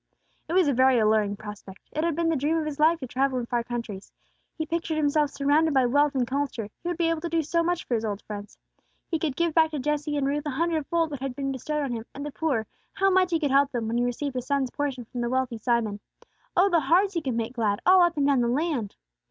It was a very alluring prospect; it had been the dream of his life to travel in far countries. He pictured himself surrounded by wealth and culture; he would be able to do so much for his old friends. He could give back to Jesse and Ruth a hundred fold, what had been bestowed on him; and the poor how much he could help them, when he received a son's portion from the wealthy Simon! O the hearts he could make glad, all up and down the land!